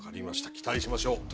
期待しましょう。